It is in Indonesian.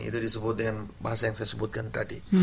itu disebut dengan bahasa yang saya sebutkan tadi